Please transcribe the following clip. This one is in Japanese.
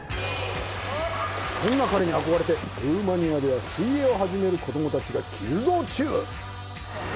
そんな彼に憧れてルーマニアでは水泳を始める子どもたちが急増中